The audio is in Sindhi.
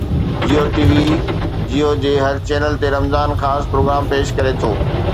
جيو ٽي وي جيو جي هر چينل تي رمضان خاص پروگرام پيش ڪري ٿو